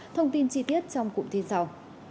thông tin chi tiết trong cụm tin sau